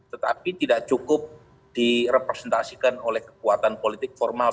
tetapi tidak cukup direpresentasikan oleh kekuatan politik formal